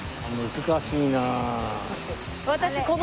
難しいなあ。